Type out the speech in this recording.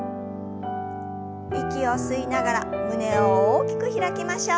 息を吸いながら胸を大きく開きましょう。